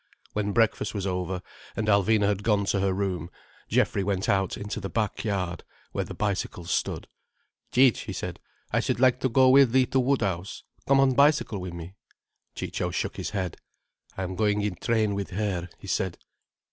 When breakfast was over, and Alvina had gone to her room, Geoffrey went out into the back yard, where the bicycles stood. "Cic'," he said. "I should like to go with thee to Woodhouse. Come on bicycle with me." Ciccio shook his head. "I'm going in train with her," he said.